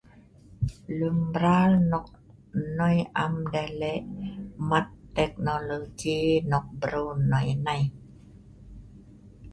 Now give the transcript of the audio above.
Lun'mral nok noi nai am deh lek' mat teknologi nok breu nai.